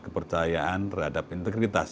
kepercayaan terhadap integritas